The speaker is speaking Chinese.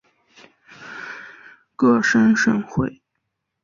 各省省会。